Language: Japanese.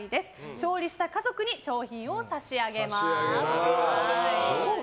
勝利した家族に商品を差し上げます。